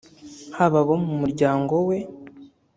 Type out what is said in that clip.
haba abo mu muryango we